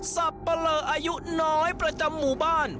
สับปะเลออายุน้อยประจำหมู่บ้าน